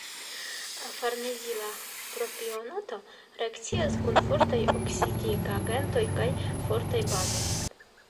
Farnezila propionato reakcias kun fortaj oksidigagentoj kaj fortaj bazoj.